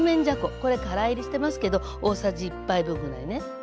これから煎りしてますけど大さじ１杯分ぐらいね。